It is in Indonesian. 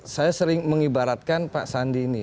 saya sering mengibaratkan pak sandi ini